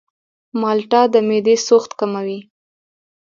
مالټه د معدې سوخت کموي.